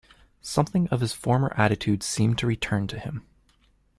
Something of his former attitude seemed to return to him.